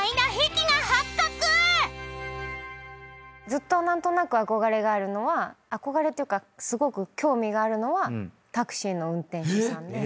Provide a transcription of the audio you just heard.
ずっと何となく憧れがあるのは憧れっていうか興味があるのはタクシーの運転手さんで。